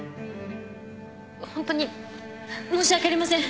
ホントに申し訳ありません。